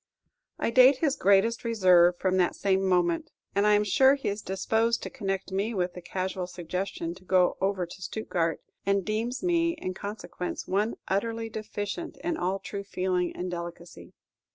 I date his greatest reserve from that same moment; and I am sure he is disposed to connect me with the casual suggestion to go over to Stuttgard, and deems me, in consequence, one utterly deficient in all true feeling and delicacy.